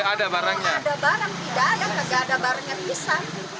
tidak ada barangnya tidak ada barangnya bisa